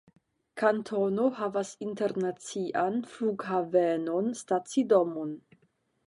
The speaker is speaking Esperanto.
Kantono havas internacian flughavenon, stacidomon.